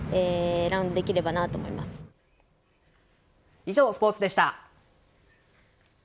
以上、スポーツでした。